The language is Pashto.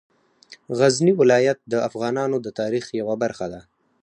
غزني ولایت د افغانانو د تاریخ یوه برخه ده.